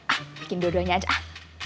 ah bikin dua duanya aja